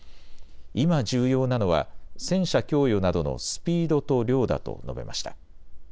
今、重要なのは戦車供与などのスピードと量だと述べました。